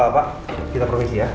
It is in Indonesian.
pak kita promisi ya